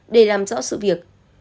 để làm rõ sự việc